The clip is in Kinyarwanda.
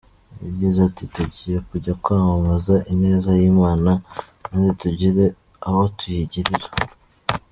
Yagize ati “Tugiye kujya kwamamaza ineza y’Imana kandi tugira abo tuyigirira.